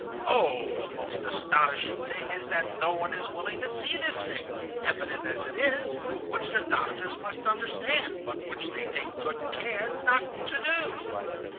"Oh! the most astonishing thing is that no one is willing to see this thing, evident as it is, which the doctors must understand, but which they take good care not to do.